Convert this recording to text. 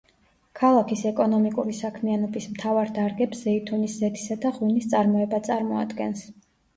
ქალაქის ეკონომიკური საქმიანობის მთავარ დარგებს ზეითუნის ზეთისა და ღვინის წარმოება წარმოადგენს.